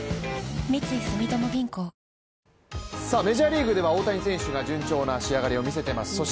ＪＴメジャーリーグでは大谷選手が順調な仕上がりを見せています。